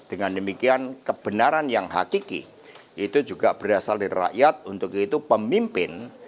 dengan demikian kebenaran yang hakiki itu juga berasal dari rakyat untuk itu pemimpin